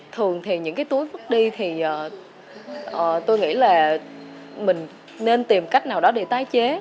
thường thì những cái túi vứt đi thì tôi nghĩ là mình nên tìm cách nào đó để tái chế